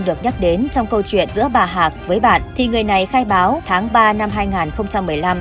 được nhắc đến trong câu chuyện giữa bà hạc với bạn thì người này khai báo tháng ba năm hai nghìn một mươi năm